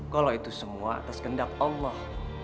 kalau itu semua atas kendak allah